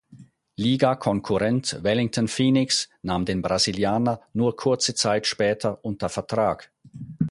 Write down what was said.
Ligakonkurrent Wellington Phoenix nahm den Brasilianer nur kurze Zeit später unter Vertrag.